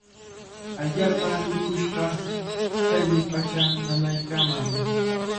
Allaapami mikush kaa. Chaymi pachaa nanaykaaman.